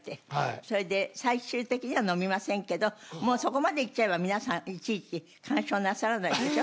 それで最終的には飲みませんけどもうそこまでいっちゃえば皆さんいちいち干渉なさらないでしょ。